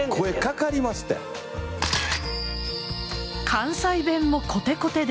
関西弁もコテコテで。